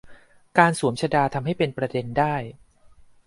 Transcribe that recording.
การสวมชฏา ทำให้เป็นประเด็นได้